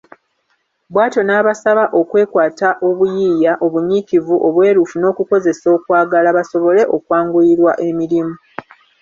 Bw’atyo n’abasaba okwekwata obuyiiya, obunyiikivu, obwerufu n’okukozesa okwagala, basobole okwanguyirwa emirimu.